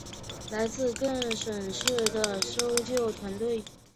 来自各县市的搜救团队